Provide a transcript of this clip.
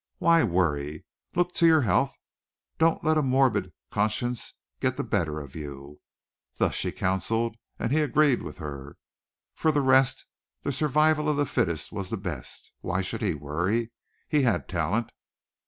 Why worry? Look to your health! Don't let a morbid conscience get the better of you. Thus she counselled, and he agreed with her. For the rest the survival of the fittest was the best. Why should he worry? He had talent.